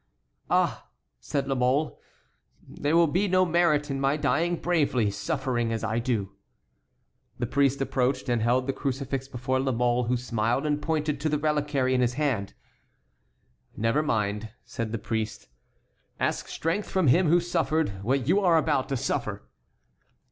"Ah!" said La Mole, "there will be no merit in my dying bravely, suffering as I do." The priest approached and held the crucifix before La Mole, who smiled and pointed to the reliquary in his hand. "Never mind," said the priest, "ask strength from Him who suffered what you are about to suffer."